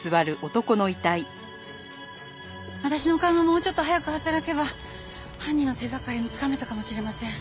私の勘がもうちょっと早く働けば犯人の手掛かりもつかめたかもしれません。